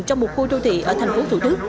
trong một khu đô thị ở thành phố thủ đức